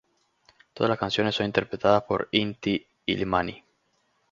Todas las canciones son interpretadas por Inti-Illimani.